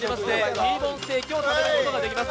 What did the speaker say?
Ｔボーンステーキを食べることができます。